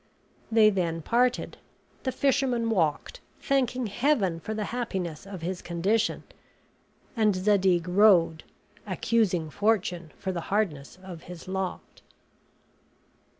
They then parted, the fisherman walked, thanking Heaven for the happiness of his condition; and Zadig rode, accusing fortune for the hardness of his lot.